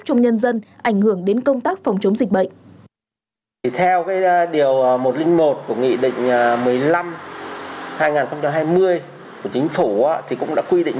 trong nhân dân ảnh hưởng đến công tác phòng chống dịch bệnh